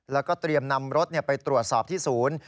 แล้วก็เตรียมนำรถไปตรวจสอบที่ศูนย์